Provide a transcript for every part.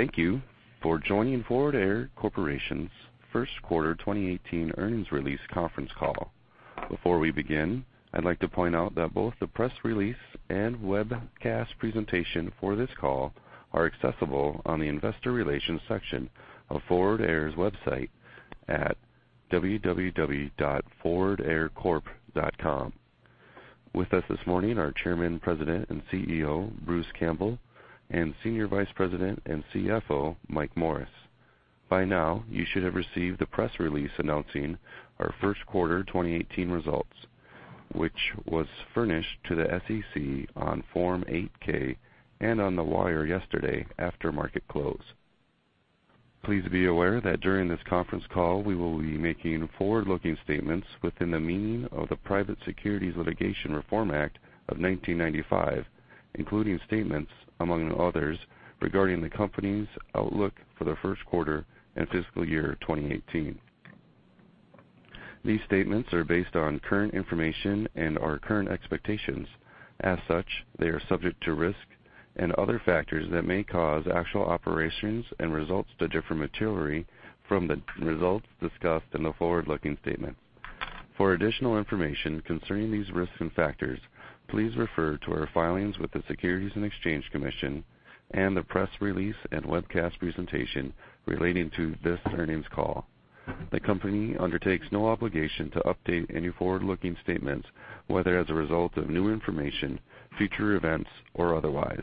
Thank you for joining Forward Air Corporation's first quarter 2018 earnings release conference call. Before we begin, I'd like to point out that both the press release and webcast presentation for this call are accessible on the investor relations section of Forward Air's website at www.forwardaircorp.com. With us this morning are Chairman, President, and CEO, Bruce Campbell, and Senior Vice President and CFO, Mike Morris. By now, you should have received the press release announcing our first quarter 2018 results, which was furnished to the SEC on Form 8-K and on the wire yesterday after market close. Please be aware that during this conference call, we will be making forward-looking statements within the meaning of the Private Securities Litigation Reform Act of 1995, including statements, among others, regarding the company's outlook for the first quarter and fiscal year 2018. These statements are based on current information and our current expectations. As such, they are subject to risk and other factors that may cause actual operations and results to differ materially from the results discussed in the forward-looking statement. For additional information concerning these risks and factors, please refer to our filings with the Securities and Exchange Commission and the press release and webcast presentation relating to this earnings call. The company undertakes no obligation to update any forward-looking statements, whether as a result of new information, future events, or otherwise.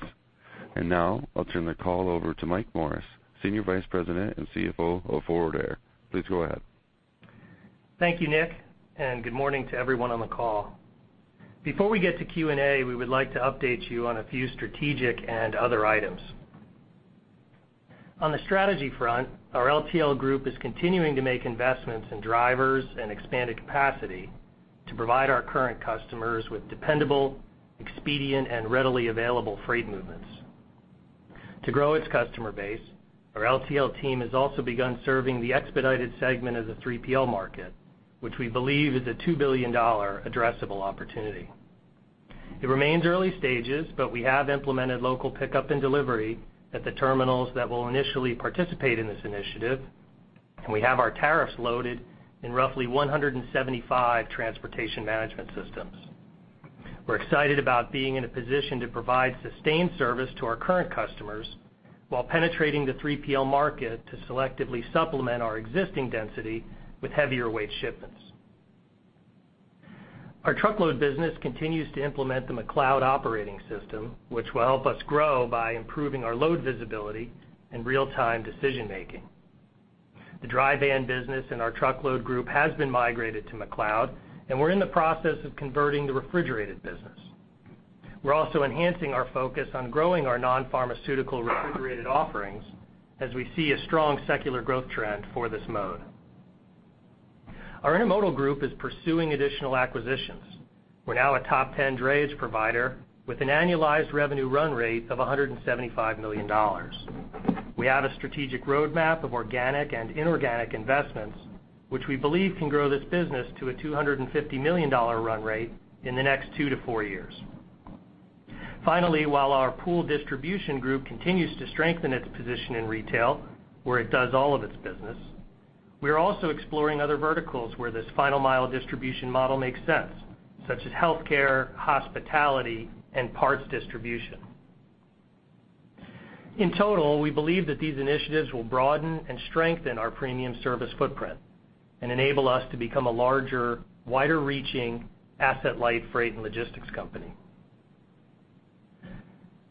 Now, I'll turn the call over to Mike Morris, Senior Vice President and CFO of Forward Air. Please go ahead. Thank you, Nick, and good morning to everyone on the call. Before we get to Q&A, we would like to update you on a few strategic and other items. On the strategy front, our LTL group is continuing to make investments in drivers and expanded capacity to provide our current customers with dependable, expedient, and readily available freight movements. To grow its customer base, our LTL team has also begun serving the expedited segment of the 3PL market, which we believe is a $2 billion addressable opportunity. It remains early stages, but we have implemented local pickup and delivery at the terminals that will initially participate in this initiative, and we have our tariffs loaded in roughly 175 transportation management systems. We're excited about being in a position to provide sustained service to our current customers while penetrating the 3PL market to selectively supplement our existing density with heavier-weight shipments. Our truckload business continues to implement the McLeod operating system, which will help us grow by improving our load visibility and real-time decision-making. The dry van business in our truckload group has been migrated to McLeod, and we're in the process of converting the refrigerated business. We're also enhancing our focus on growing our non-pharmaceutical refrigerated offerings as we see a strong secular growth trend for this mode. Our intermodal group is pursuing additional acquisitions. We're now a top 10 drayage provider with an annualized revenue run rate of $175 million. We have a strategic roadmap of organic and inorganic investments, which we believe can grow this business to a $250 million run rate in the next two to four years. Finally, while our pooled distribution group continues to strengthen its position in retail, where it does all of its business, we are also exploring other verticals where this final mile distribution model makes sense, such as healthcare, hospitality, and parts distribution. In total, we believe that these initiatives will broaden and strengthen our premium service footprint and enable us to become a larger, wider-reaching asset-light freight and logistics company.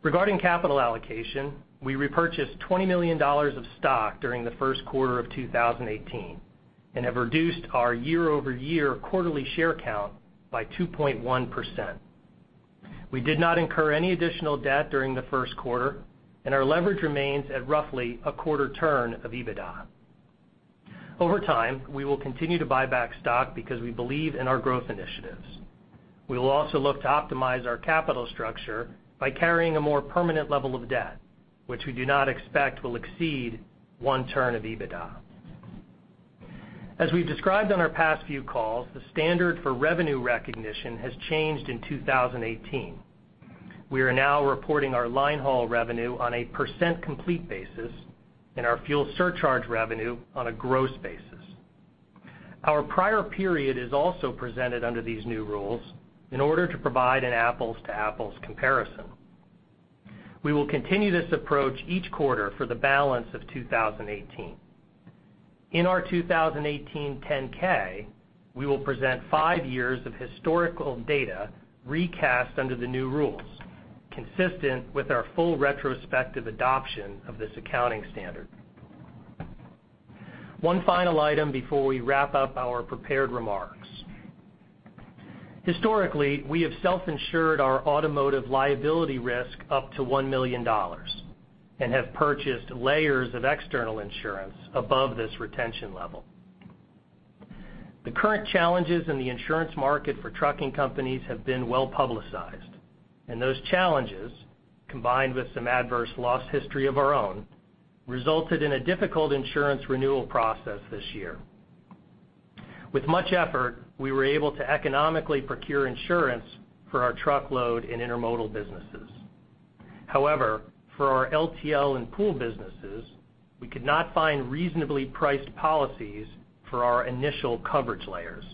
Regarding capital allocation, we repurchased $20 million of stock during the first quarter of 2018 and have reduced our year-over-year quarterly share count by 2.1%. We did not incur any additional debt during the first quarter, and our leverage remains at roughly a quarter turn of EBITDA. Over time, we will continue to buy back stock because we believe in our growth initiatives. We will also look to optimize our capital structure by carrying a more permanent level of debt, which we do not expect will exceed one turn of EBITDA. As we've described on our past few calls, the standard for revenue recognition has changed in 2018. We are now reporting our line haul revenue on a % complete basis and our fuel surcharge revenue on a gross basis. Our prior period is also presented under these new rules in order to provide an apples-to-apples comparison. We will continue this approach each quarter for the balance of 2018. In our 2018 10-K, we will present five years of historical data recast under the new rules, consistent with our full retrospective adoption of this accounting standard. One final item before we wrap up our prepared remarks. Historically, we have self-insured our automotive liability risk up to $1 million and have purchased layers of external insurance above this retention level. The current challenges in the insurance market for trucking companies have been well-publicized, and those challenges, combined with some adverse loss history of our own, resulted in a difficult insurance renewal process this year. With much effort, we were able to economically procure insurance for our truckload and intermodal businesses. However, for our LTL and pool businesses, we could not find reasonably priced policies for our initial coverage layers.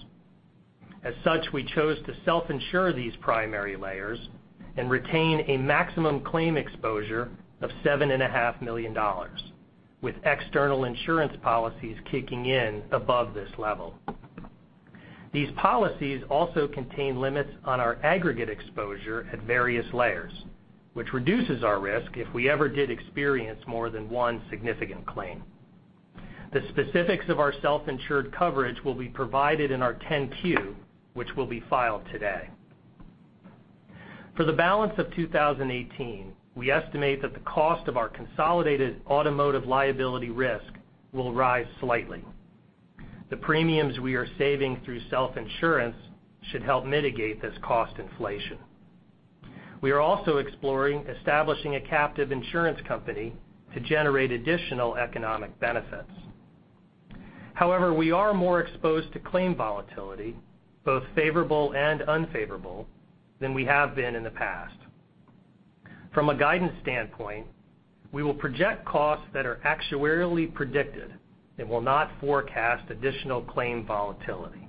As such, we chose to self-insure these primary layers and retain a maximum claim exposure of $7.5 million, with external insurance policies kicking in above this level. These policies also contain limits on our aggregate exposure at various layers, which reduces our risk if we ever did experience more than one significant claim. The specifics of our self-insured coverage will be provided in our 10-Q, which will be filed today. For the balance of 2018, we estimate that the cost of our consolidated automotive liability risk will rise slightly. The premiums we are saving through self-insurance should help mitigate this cost inflation. However, we are also exploring establishing a captive insurance company to generate additional economic benefits. We are more exposed to claim volatility, both favorable and unfavorable, than we have been in the past. From a guidance standpoint, we will project costs that are actuarially predicted and will not forecast additional claim volatility.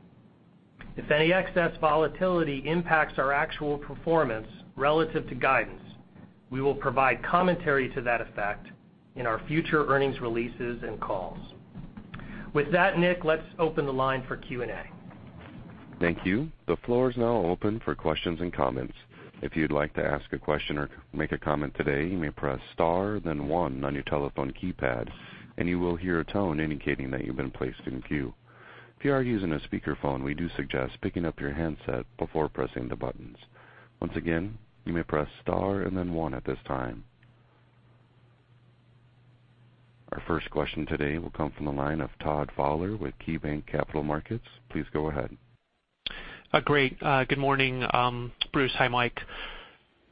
If any excess volatility impacts our actual performance relative to guidance, we will provide commentary to that effect in our future earnings releases and calls. With that, Nick, let's open the line for Q&A. Thank you. The floor is now open for questions and comments. If you'd like to ask a question or make a comment today, you may press star then one on your telephone keypad, and you will hear a tone indicating that you've been placed in queue. If you are using a speakerphone, we do suggest picking up your handset before pressing the buttons. Once again, you may press star and then one at this time. Our first question today will come from the line of Todd Fowler with KeyBanc Capital Markets. Please go ahead. Great. Good morning, Bruce. Hi, Mike. Good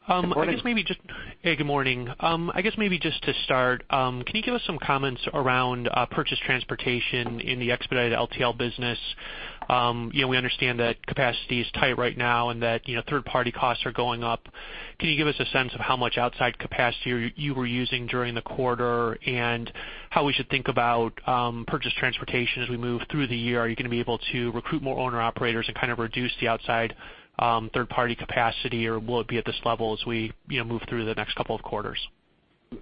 morning. Hey, good morning. I guess maybe just to start, can you give us some comments around purchase transportation in the expedited LTL business? We understand that capacity is tight right now and that third-party costs are going up. Can you give us a sense of how much outside capacity you were using during the quarter, and how we should think about purchase transportation as we move through the year? Are you going to be able to recruit more owner-operators and reduce the outside third-party capacity, or will it be at this level as we move through the next couple of quarters?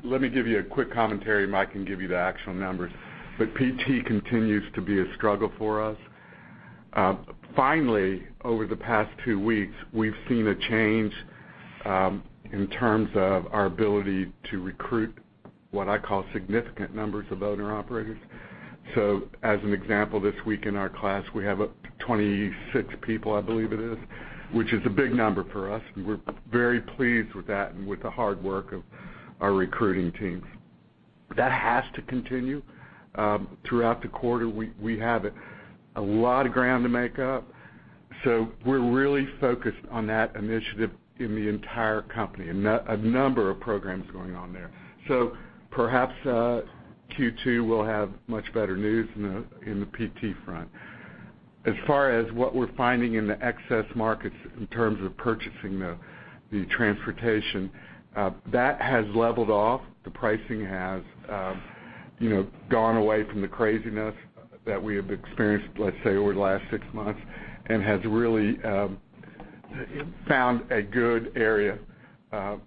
Let me give you a quick commentary. Mike can give you the actual numbers. PT continues to be a struggle for us. Finally, over the past 2 weeks, we've seen a change in terms of our ability to recruit what I call significant numbers of owner-operators. As an example, this week in our class, we have 26 people, I believe it is, which is a big number for us, and we're very pleased with that and with the hard work of our recruiting teams. That has to continue. Throughout the quarter, we have a lot of ground to make up. We're really focused on that initiative in the entire company, a number of programs going on there. Perhaps Q2 will have much better news in the PT front. As far as what we're finding in the excess markets in terms of purchasing the transportation, that has leveled off. The pricing has gone away from the craziness that we have experienced, let's say, over the last 6 months, and has really found a good area,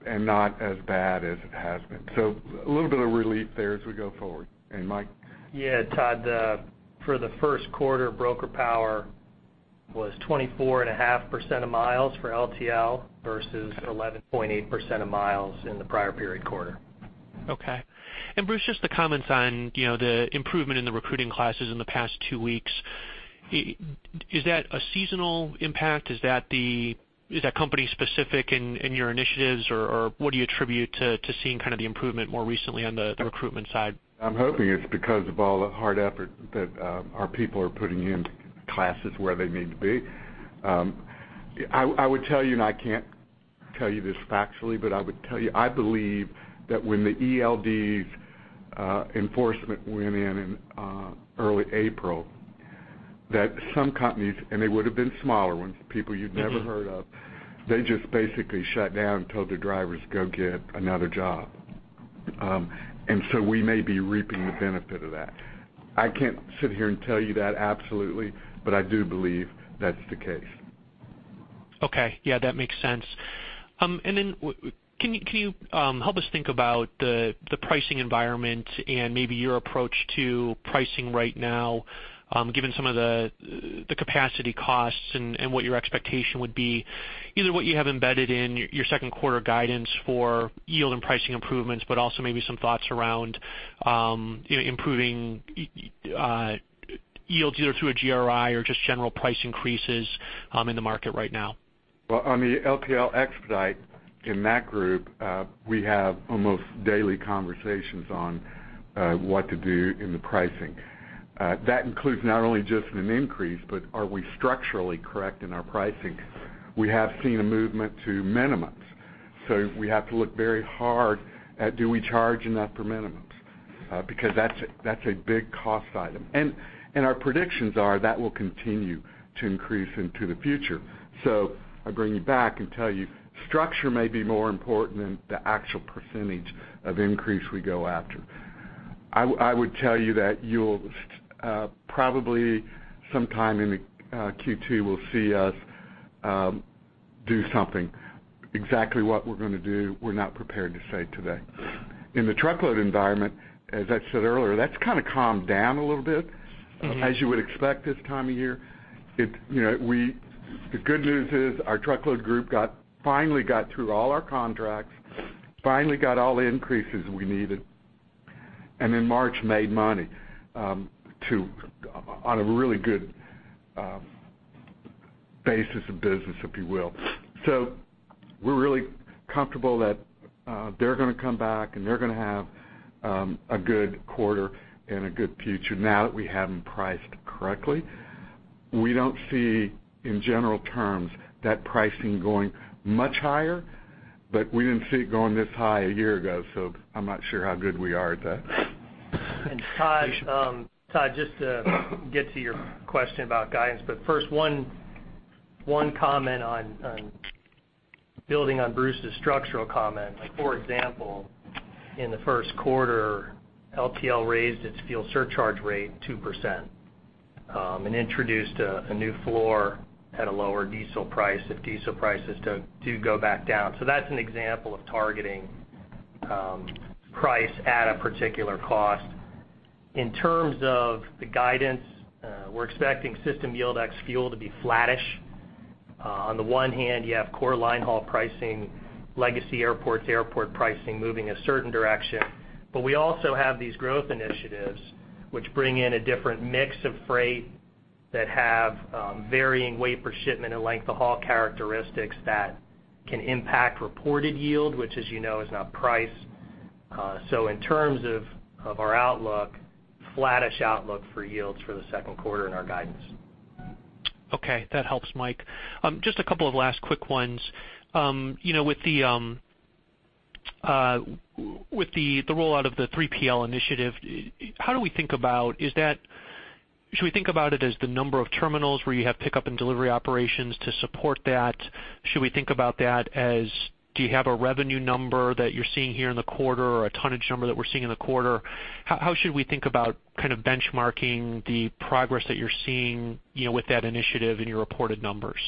and not as bad as it has been. A little bit of relief there as we go forward. Mike? Todd, for the first quarter, broker power was 24.5% of miles for LTL versus 11.8% of miles in the prior period quarter. Okay. Bruce, just to comment on the improvement in the recruiting classes in the past 2 weeks. Is that a seasonal impact? Is that company specific in your initiatives, or what do you attribute to seeing the improvement more recently on the recruitment side? I'm hoping it's because of all the hard effort that our people are putting in to get the classes where they need to be. I would tell you, I can't tell you this factually, I would tell you, I believe that when the ELD enforcement went in in early April, that some companies, and they would've been smaller ones, people you'd never heard of, they just basically shut down and told their drivers, "Go get another job." We may be reaping the benefit of that. I can't sit here and tell you that absolutely, I do believe that's the case. Okay. Yeah, that makes sense. Can you help us think about the pricing environment and maybe your approach to pricing right now, given some of the capacity costs and what your expectation would be, either what you have embedded in your second quarter guidance for yield and pricing improvements, but also maybe some thoughts around improving yields, either through a GRI or just general price increases in the market right now? Well, on the LTL expedite, in that group, we have almost daily conversations on what to do in the pricing. That includes not only just an increase, but are we structurally correct in our pricing? We have seen a movement to minimums We have to look very hard at do we charge enough for minimums? Because that's a big cost item. Our predictions are that will continue to increase into the future. I bring you back and tell you structure may be more important than the actual percentage of increase we go after. I would tell you that you'll probably sometime in Q2 will see us do something. Exactly what we're going to do, we're not prepared to say today. In the truckload environment, as I said earlier, that's kind of calmed down a little bit, as you would expect this time of year. The good news is our truckload group finally got through all our contracts, finally got all the increases we needed, and in March, made money on a really good basis of business, if you will. We're really comfortable that they're going to come back, and they're going to have a good quarter and a good future now that we have them priced correctly. We don't see, in general terms, that pricing going much higher, but we didn't see it going this high a year ago, so I'm not sure how good we are at that. Todd, just to get to your question about guidance, but first, one comment on building on Bruce's structural comment. For example, in the first quarter, LTL raised its fuel surcharge rate 2% and introduced a new floor at a lower diesel price if diesel prices do go back down. That's an example of targeting price at a particular cost. In terms of the guidance, we're expecting system yield ex fuel to be flattish. On the one hand, you have core line haul pricing, legacy airports, airport pricing moving a certain direction. We also have these growth initiatives, which bring in a different mix of freight that have varying weight per shipment and length-of-haul characteristics that can impact reported yield, which as you know, is not price. In terms of our outlook, flattish outlook for yields for the second quarter in our guidance. Okay. That helps, Mike. Just a couple of last quick ones. With the rollout of the 3PL initiative, should we think about it as the number of terminals where you have pickup and delivery operations to support that? Should we think about that as, do you have a revenue number that you're seeing here in the quarter or a tonnage number that we're seeing in the quarter? How should we think about benchmarking the progress that you're seeing with that initiative in your reported numbers?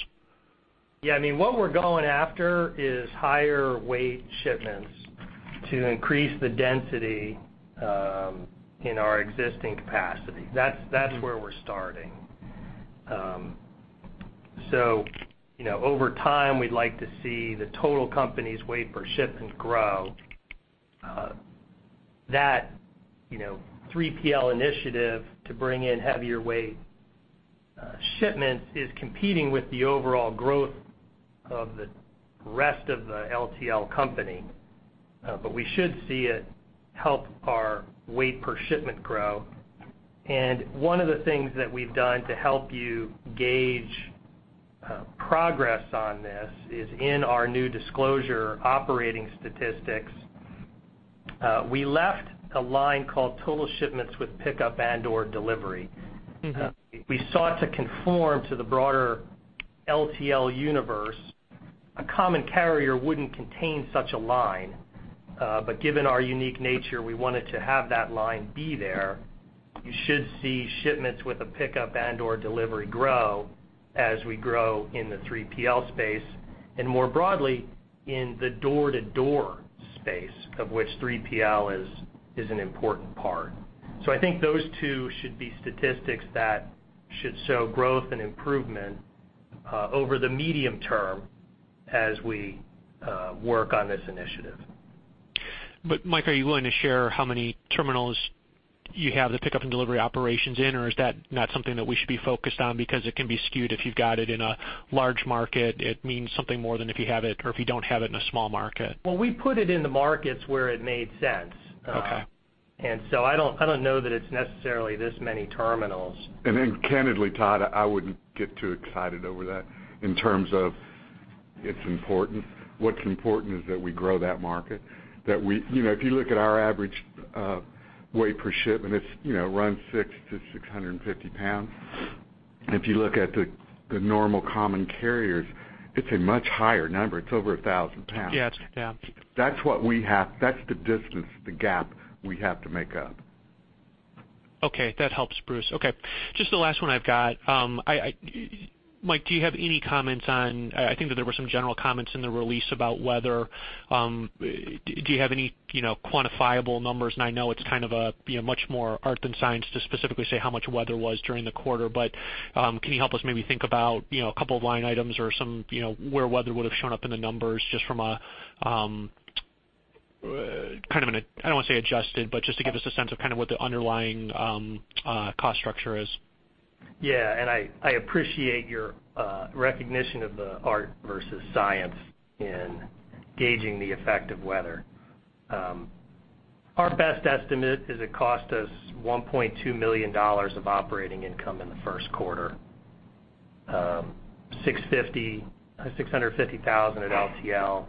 Yeah, what we're going after is higher weight shipments to increase the density in our existing capacity. That's where we're starting. Over time, we'd like to see the total company's weight per shipment grow. That 3PL initiative to bring in heavier weight shipments is competing with the overall growth of the rest of the LTL company. We should see it help our weight per shipment grow. One of the things that we've done to help you gauge progress on this is in our new disclosure operating statistics. We left a line called total shipments with pickup and/or delivery. We sought to conform to the broader LTL universe. A common carrier wouldn't contain such a line. Given our unique nature, we wanted to have that line be there. You should see shipments with a pickup and/or delivery grow as we grow in the 3PL space, and more broadly, in the door-to-door space, of which 3PL is an important part. I think those two should be statistics that should show growth and improvement over the medium term as we work on this initiative. Mike, are you willing to share how many terminals you have the pickup and delivery operations in, or is that not something that we should be focused on because it can be skewed if you've got it in a large market, it means something more than if you don't have it in a small market? Well, we put it in the markets where it made sense. Okay. I don't know that it's necessarily this many terminals. Candidly, Todd, I wouldn't get too excited over that in terms of it's important. What's important is that we grow that market. If you look at our average weight per shipment, it runs 600-650 pounds. If you look at the normal common carriers, it's a much higher number. It's over 1,000 pounds. Yes. Yeah. That's the distance, the gap we have to make up. Okay. That helps, Bruce. Okay. Just the last one I've got. Mike, do you have any comments on, I think that there were some general comments in the release about weather. Do you have any quantifiable numbers? I know it's much more art than science to specifically say how much weather was during the quarter. Can you help us maybe think about a couple of line items or where weather would have shown up in the numbers just from a, I don't want to say adjusted, but just to give us a sense of what the underlying cost structure is. Yeah. I appreciate your recognition of the art versus science in gauging the effect of weather. Our best estimate is it cost us $1.2 million of operating income in the first quarter $650,000 at LTL,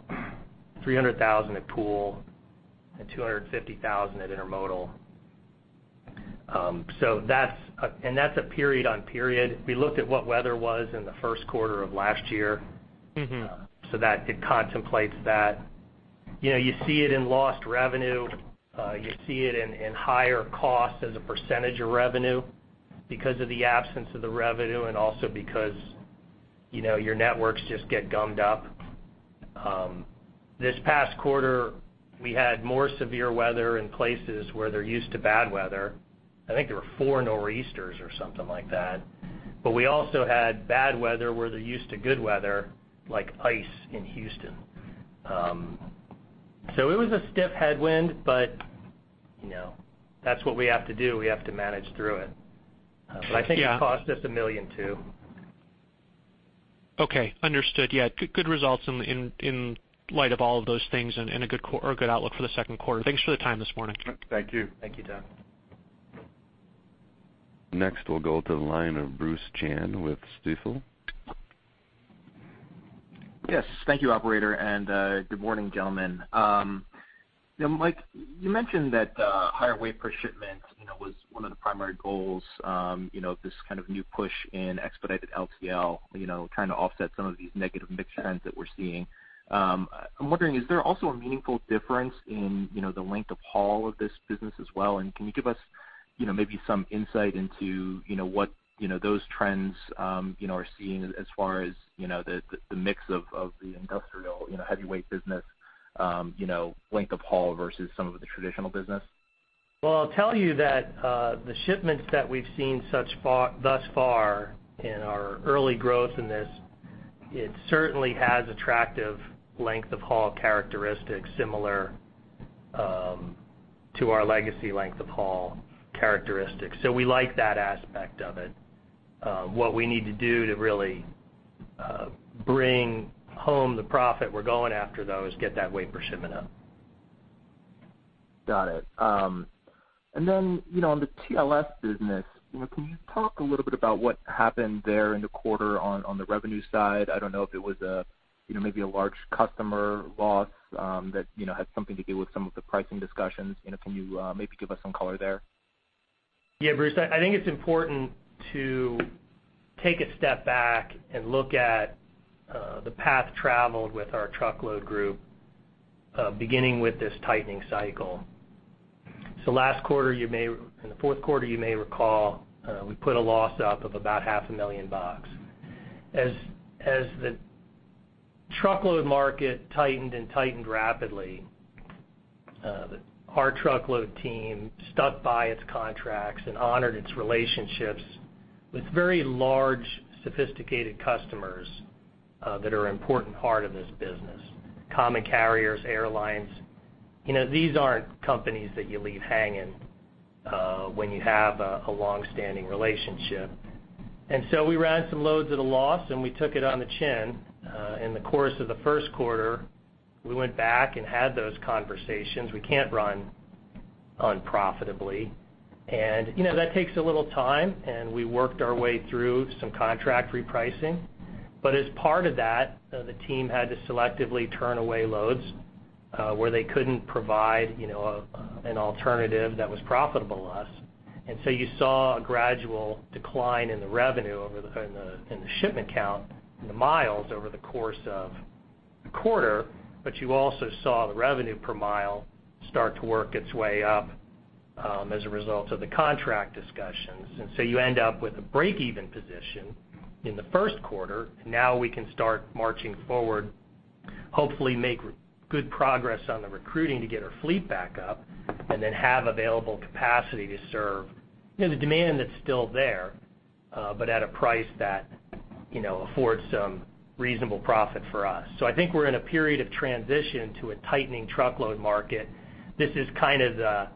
$300,000 at pool, and $250,000 at intermodal. That's a period on period. We looked at what weather was in the first quarter of last year. It contemplates that. You see it in lost revenue. You see it in higher costs as a percentage of revenue because of the absence of the revenue and also because your networks just get gummed up. This past quarter, we had more severe weather in places where they're used to bad weather. I think there were four Nor'easters or something like that. We also had bad weather where they're used to good weather, like ice in Houston. It was a stiff headwind, but that's what we have to do. We have to manage through it. I think it cost us $1.2 Million. Okay. Understood. Yeah. Good results in light of all of those things and a good outlook for the second quarter. Thanks for the time this morning. Thank you. Thank you, Todd. Next, we'll go to the line of Bruce Chan with Stifel. Yes. Thank you, operator, and good morning, gentlemen. Mike, you mentioned that higher weight per shipment was one of the primary goals of this kind of new push in expedited LTL, trying to offset some of these negative mix trends that we're seeing. I'm wondering, is there also a meaningful difference in the length of haul of this business as well? Can you give us maybe some insight into what those trends are seeing as far as the mix of the industrial heavyweight business length of haul versus some of the traditional business? Well, I'll tell you that the shipments that we've seen thus far in our early growth in this, it certainly has attractive length of haul characteristics similar to our legacy length of haul characteristics. We like that aspect of it. What we need to do to really bring home the profit we're going after, though, is get that weight per shipment up. Got it. Then, on the TLS business, can you talk a little bit about what happened there in the quarter on the revenue side? I don't know if it was maybe a large customer loss that had something to do with some of the pricing discussions. Can you maybe give us some color there? Bruce. I think it's important to take a step back and look at the path traveled with our truckload group, beginning with this tightening cycle. Last quarter, in the fourth quarter, you may recall, we put a loss up of about half a million dollars. As the truckload market tightened and tightened rapidly, our truckload team stuck by its contracts and honored its relationships with very large, sophisticated customers that are an important part of this business, common carriers, airlines. These aren't companies that you leave hanging when you have a long-standing relationship. We ran some loads at a loss, and we took it on the chin. In the course of the first quarter, we went back and had those conversations. We can't run unprofitably. That takes a little time, and we worked our way through some contract repricing. As part of that, the team had to selectively turn away loads, where they couldn't provide an alternative that was profitable to us. You saw a gradual decline in the revenue in the shipment count, in the miles over the course of the quarter. You also saw the revenue per mile start to work its way up, as a result of the contract discussions. You end up with a break-even position in the first quarter. Now we can start marching forward, hopefully make good progress on the recruiting to get our fleet back up, and then have available capacity to serve the demand that's still there, but at a price that affords some reasonable profit for us. I think we're in a period of transition to a tightening truckload market. This is kind of the,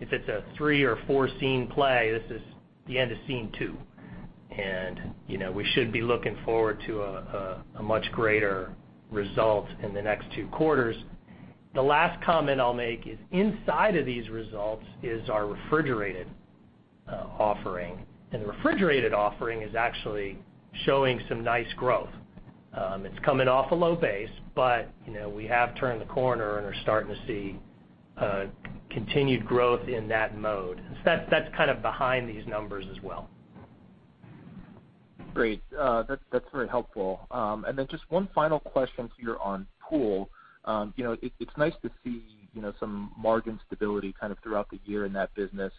if it's a three or four scene play, this is the end of scene 2. We should be looking forward to a much greater result in the next two quarters. The last comment I'll make is inside of these results is our refrigerated offering. The refrigerated offering is actually showing some nice growth. It's coming off a low base, but we have turned the corner and are starting to see continued growth in that mode. That's kind of behind these numbers as well. Great. That's very helpful. Just one final question for you on pool. It's nice to see some margin stability kind of throughout the year in that business.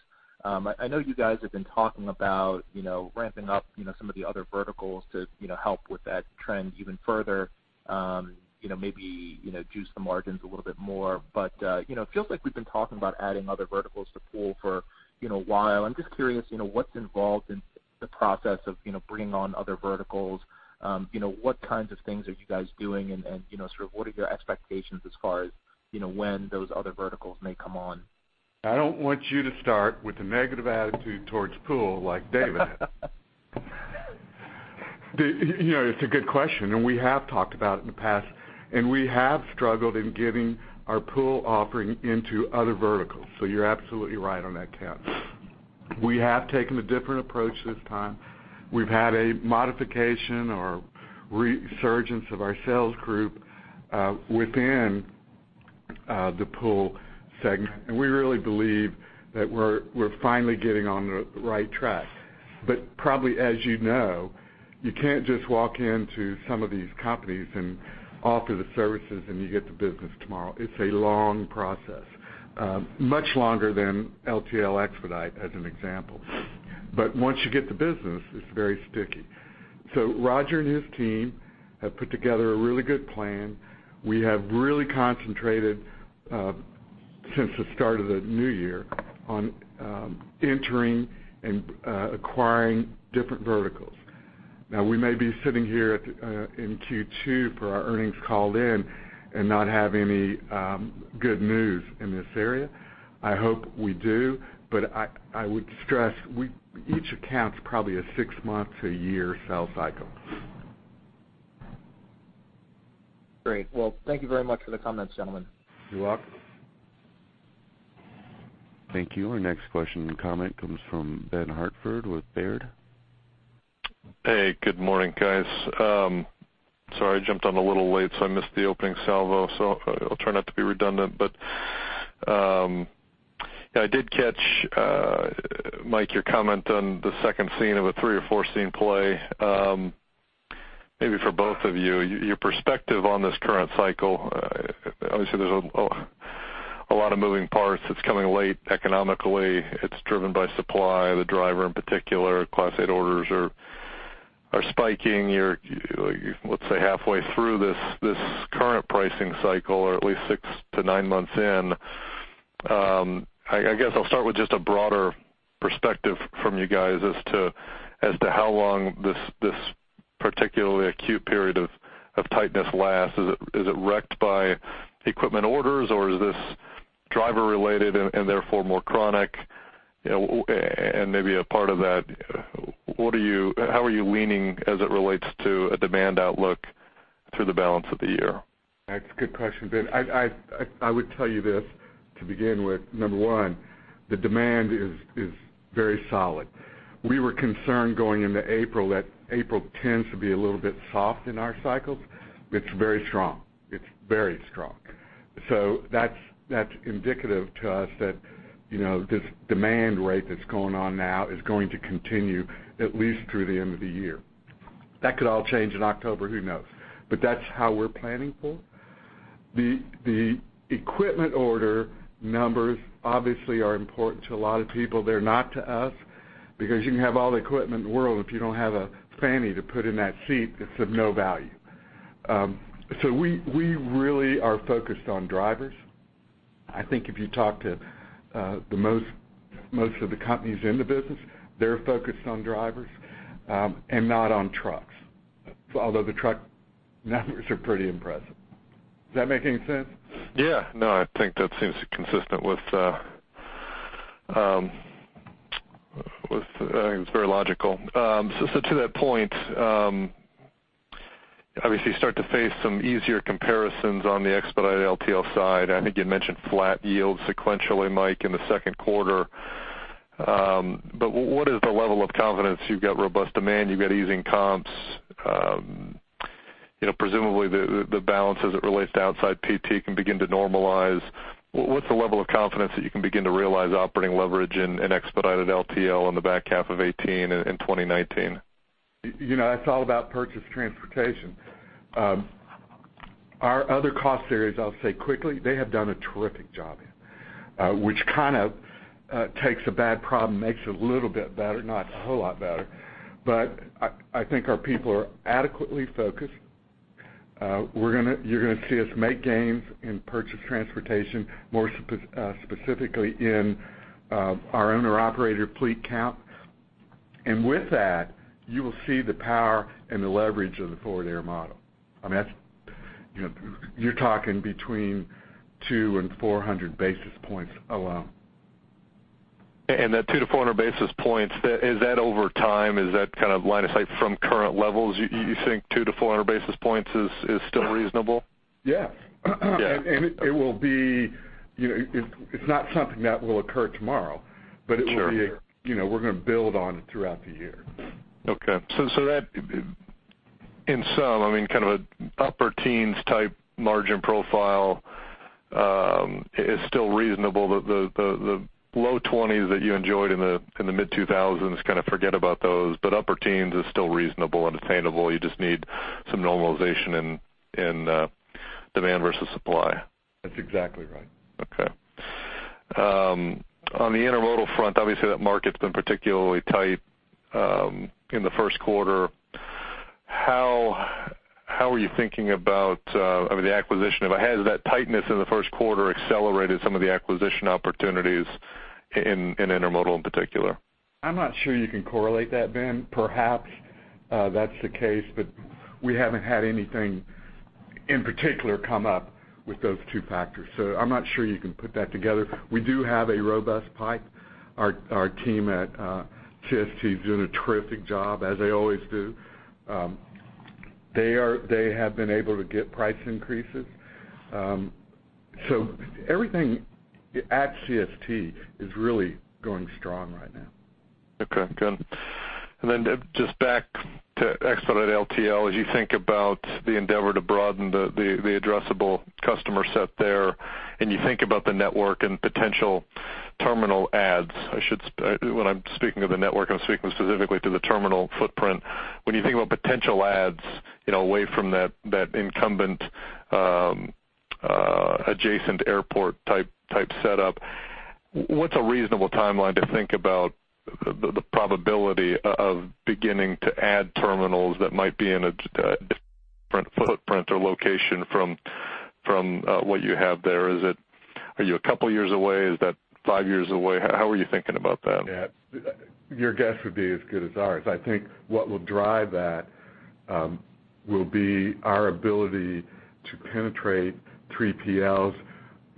I know you guys have been talking about ramping up some of the other verticals to help with that trend even further. Maybe juice the margins a little bit more. It feels like we've been talking about adding other verticals to pool for a while. I'm just curious, what's involved in the process of bringing on other verticals? What kinds of things are you guys doing, and sort of what are your expectations as far as when those other verticals may come on? I don't want you to start with a negative attitude towards pool like David had. It's a good question, and we have talked about it in the past. We have struggled in getting our pool offering into other verticals. You're absolutely right on that count. We have taken a different approach this time. We've had a modification or resurgence of our sales group Within the pool segment. We really believe that we're finally getting on the right track. Probably as you know, you can't just walk into some of these companies and offer the services, and you get the business tomorrow. It's a long process. Much longer than LTL expedite, as an example. Once you get the business, it's very sticky. Roger and his team have put together a really good plan. We have really concentrated, since the start of the new year, on entering and acquiring different verticals. Now, we may be sitting here in Q2 for our earnings call then and not have any good news in this area. I hope we do, but I would stress, each account is probably a six-month to year sales cycle. Great. Well, thank you very much for the comments, gentlemen. You're welcome. Thank you. Our next question and comment comes from Benjamin Hartford with Baird. Hey, good morning, guys. Sorry, I jumped on a little late, I missed the opening salvo. I'll try not to be redundant. I did catch, Mike, your comment on the second scene of a three or four-scene play. Maybe for both of you, your perspective on this current cycle. Obviously, there's a lot of moving parts. It's coming late economically. It's driven by supply, the driver in particular. Class 8 orders are spiking. You're, let's say, halfway through this current pricing cycle, or at least six to nine months in. I guess I'll start with just a broader perspective from you guys as to how long this particularly acute period of tightness lasts. Is it wrecked by equipment orders, or is this driver related and therefore more chronic? Maybe a part of that, how are you leaning as it relates to a demand outlook through the balance of the year? That's a good question, Ben. I would tell you this to begin with. Number 1, the demand is very solid. We were concerned going into April, that April tends to be a little bit soft in our cycles. It's very strong. That's indicative to us that this demand rate that's going on now is going to continue at least through the end of the year. That could all change in October, who knows? That's how we're planning for it. The equipment order numbers obviously are important to a lot of people. They're not to us, because you can have all the equipment in the world, if you don't have a fanny to put in that seat, it's of no value. We really are focused on drivers. I think if you talk to most of the companies in the business, they're focused on drivers, and not on trucks. The truck numbers are pretty impressive. Does that make any sense? Yeah. No, I think that seems consistent with, it's very logical. To that point, obviously you start to face some easier comparisons on the expedited LTL side. I think you'd mentioned flat yield sequentially, Mike, in the second quarter. What is the level of confidence? You've got robust demand, you've got easing comps. Presumably, the balance as it relates to outside PT can begin to normalize. What's the level of confidence that you can begin to realize operating leverage in expedited LTL in the back half of 2018 and 2019? It's all about purchase transportation. Our other cost areas, I'll say quickly, they have done a terrific job, which kind of takes a bad problem, makes it a little bit better, not a whole lot better. I think our people are adequately focused. You're going to see us make gains in purchase transportation, more specifically in our owner-operator fleet count. With that, you will see the power and the leverage of the Forward Air model. You're talking between 200 and 400 basis points alone. That 200 to 400 basis points, is that over time? Is that kind of line of sight from current levels, you think 200 to 400 basis points is still reasonable? Yes. Yeah. It's not something that will occur tomorrow. Sure. We're going to build on it throughout the year. Okay. That, in sum, kind of a upper teens type margin profile, is still reasonable. The low 20s that you enjoyed in the mid-2000s, kind of forget about those, but upper teens is still reasonable and attainable. You just need some normalization in demand versus supply. That's exactly right. Okay. On the intermodal front, obviously that market's been particularly tight, in the first quarter. How are you thinking about the acquisition? Has that tightness in the first quarter accelerated some of the acquisition opportunities in intermodal in particular? I'm not sure you can correlate that, Ben. Perhaps, that's the case, we haven't had anything in particular come up with those two factors. I'm not sure you can put that together. We do have a robust pipe. Our team at CST is doing a terrific job, as they always do. They have been able to get price increases. Everything at CST is really going strong right now. Okay, good. Just back to expedite LTL, as you think about the endeavor to broaden the addressable customer set there, you think about the network and potential terminal adds, when I'm speaking of the network, I'm speaking specifically to the terminal footprint. When you think about potential adds away from that incumbent adjacent airport type setup, what's a reasonable timeline to think about the probability of beginning to add terminals that might be in a different footprint or location from what you have there? Are you a couple of years away? Is that five years away? How are you thinking about that? Yeah. Your guess would be as good as ours. I think what will drive that will be our ability to penetrate 3PLs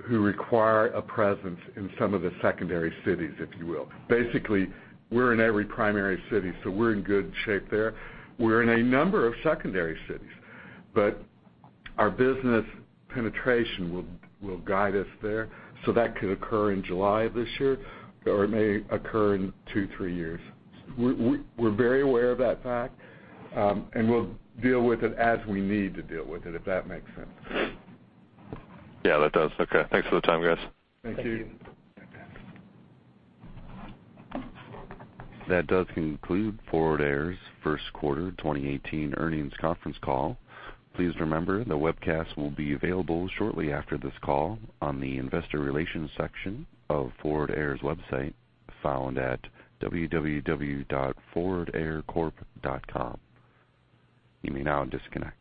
who require a presence in some of the secondary cities, if you will. Basically, we're in every primary city, we're in good shape there. We're in a number of secondary cities, our business penetration will guide us there. That could occur in July of this year, or it may occur in two, three years. We're very aware of that fact, we'll deal with it as we need to deal with it, if that makes sense. Yeah, that does. Okay. Thanks for the time, guys. Thank you. Thank you. That does conclude Forward Air's first quarter 2018 earnings conference call. Please remember, the webcast will be available shortly after this call on the investor relations section of Forward Air's website, found at www.forwardaircorp.com. You may now disconnect.